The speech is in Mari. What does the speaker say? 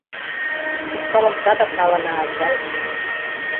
— Ушкалым садак налына, ачай...